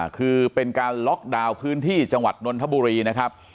คือเป็นการล็อกดาวน์พื้นที่จังหวัดนนทบุรีนะครับ